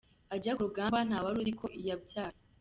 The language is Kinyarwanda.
Ajya ku rugamba ntawari uzi ko yabyaye